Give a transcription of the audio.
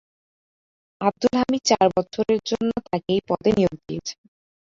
আবদুল হামিদ চার বছরের জন্য তাঁকে এই পদে নিয়োগ দিয়েছেন।